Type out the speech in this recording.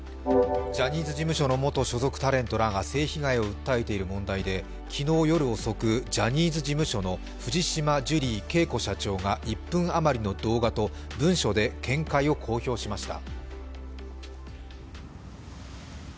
ジャニーズ事務所の元所属タレントらが性被害を訴えている問題で、昨日夜遅く、ジャニーズ事務所の藤島ジュリー景子社長が１分あまりの動画と文書で見解を公表しました。